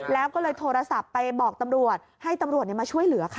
แล้วก็เลยโทรศัพท์ไปบอกตำรวจให้ตำรวจมาช่วยเหลือค่ะ